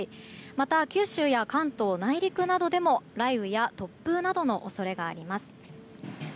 また、九州や関東内陸などでも雷雨や突風などの恐れがあります。